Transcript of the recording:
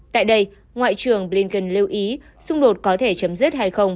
tại đây ngoại trưởng blinken lưu ý xung đột có thể chấm dứt hay không